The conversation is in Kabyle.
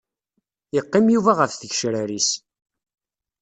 Yeqqim Yuba ɣef tgecrar-is.